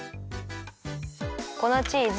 粉チーズ。